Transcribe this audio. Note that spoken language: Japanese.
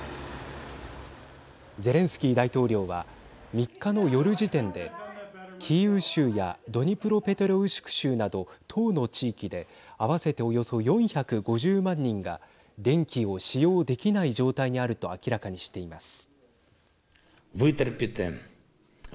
ゼレンスキー大統領は３日の夜時点でキーウ州やドニプロペトロウシク州など１０の地域で合わせておよそ４５０万人が電気を使用できない状態にあると明らかにしています。